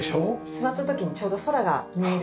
座った時にちょうど空が見える。